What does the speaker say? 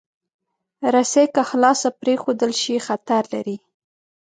رسۍ که خلاصه پرېښودل شي، خطر لري.